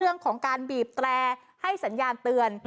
เรื่องของการบีบแตรให้สัญญาณเตือน